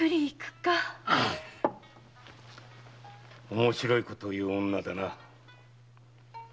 面白いことを言う女だな。